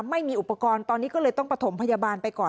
ไม่มีอุปกรณ์ตอนนี้ก็เลยต้องประถมพยาบาลไปก่อน